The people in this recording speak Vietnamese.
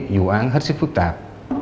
dự án hết sức phức tạp